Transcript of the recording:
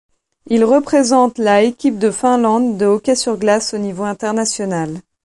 Il représente la équipe de Finlande de hockey sur glace au niveau international.